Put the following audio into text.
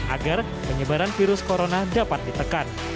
agar penyebaran virus corona dapat ditekan